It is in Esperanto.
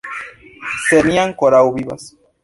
Sed mi ankoraŭ vivas.